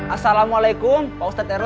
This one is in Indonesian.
assalamualaikum pak ustadz rwt